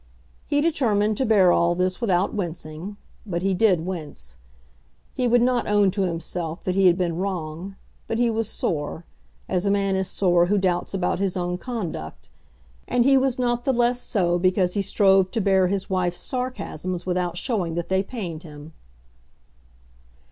He determined to bear all this without wincing, but he did wince. He would not own to himself that he had been wrong, but he was sore, as a man is sore who doubts about his own conduct; and he was not the less so because he strove to bear his wife's sarcasms without showing that they pained him.